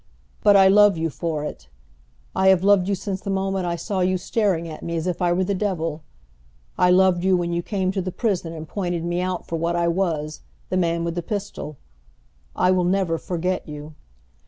But I love you for it. I have loved you since the moment I saw you staring at me as if I were the devil. I loved you when you came to the prison and pointed me out for what I was, the man with the pistol. I will never forget you."